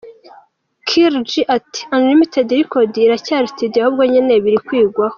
Kill-G ati: “Unlimited records iracyari studio ahubwo nyine biri kwigwaho.